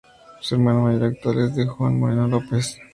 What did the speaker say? Su hermano mayor actual es D. Juan Moreno López.